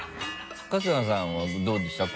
春日さんはどうでした？